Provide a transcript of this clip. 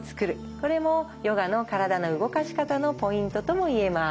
これもヨガの体の動かし方のポイントとも言えます。